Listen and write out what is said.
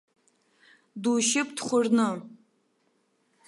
Душьып дхәырны!